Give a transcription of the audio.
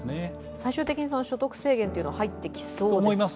最終的に所得制限っていうのは入ってきそうですか？